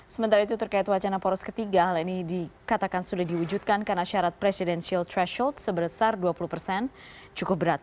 sementara itu terkait wacana poros ketiga hal ini dikatakan sudah diwujudkan karena syarat presidensial threshold sebesar dua puluh persen cukup berat